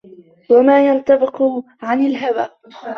وَما يَنطِقُ عَنِ الهَوى